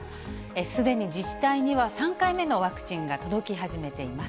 すでに自治体には３回目のワクチンが届き始めています。